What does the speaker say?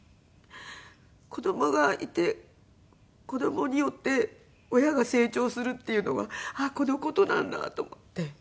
子供がいて子供によって親が成長するっていうのはあっこの事なんだと思って。